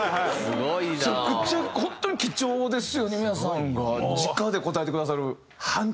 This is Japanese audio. めちゃくちゃ本当に貴重ですよね美和さんがじかで答えてくださる。